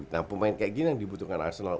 nah pemain kayak gini yang dibutuhkan arsenal